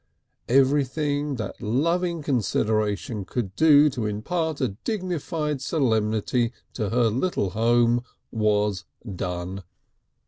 Everything that loving consideration could do to impart a dignified solemnity to her little home was done.